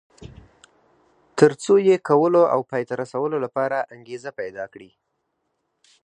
تر څو یې کولو او پای ته رسولو لپاره انګېزه پيدا کړي.